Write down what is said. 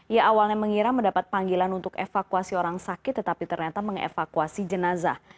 ia awalnya mengira mendapat panggilan untuk evakuasi orang sakit tetapi ternyata mengevakuasi jenazah